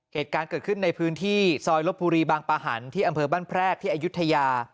เหตุการณ์เกิดขึ้นในพื้นที่ซอยลบบุรีบางปะหันที่อำเภอบ้านแพรกที่อายุทยา